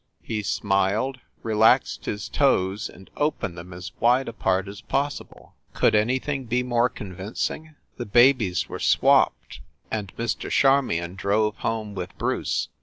He smiled, re laxed his toes and opened them as wide apart as possible. Could anything be more convincing ? The babies were swapped, and Mr. Charmion drove home with Bruce.